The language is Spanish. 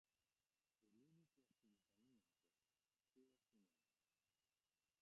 El único asentamiento lleva su mismo nombre.